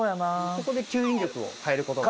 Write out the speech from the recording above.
ここで吸引力を変える事が。